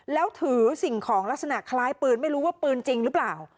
แล้วถือสิ่งของลักษณะคล้ายปืนไม่รู้ว่าปืนจริงหรือเปล่า